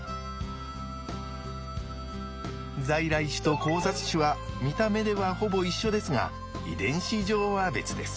在来種と交雑種は見た目ではほぼ一緒ですが遺伝子上は別です。